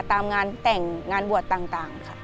ตามงานแต่งงานบวชต่างค่ะ